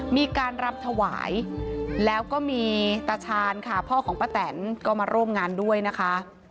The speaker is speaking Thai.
มีการรับถวายแล้วก็มีตาชาญค่ะพ่อของป้าแตนก็มาร่วมงานด้วยนะคะ